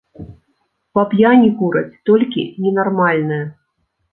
Па п'яні кураць толькі ненармальныя!